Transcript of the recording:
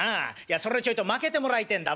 そらちょいとまけてもらいてえんだ」。